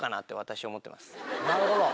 なるほど！